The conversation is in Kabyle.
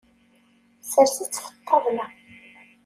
Sers-itt ɣef ṭṭabla.